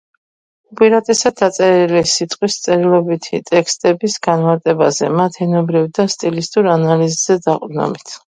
უპირატესად დაწერილი სიტყვის, წერილობითი ტექსტების განმარტებაზე, მათ ენობრივ და სტილისტურ ანალიზზე დაყრდნობით.